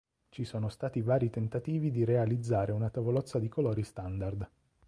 Ci sono stati vari tentativi di realizzare una tavolozza di colori "standard".